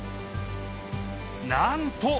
なんと！